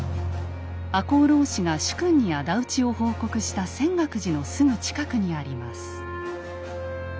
赤穂浪士が主君にあだ討ちを報告した泉岳寺のすぐ近くにあります。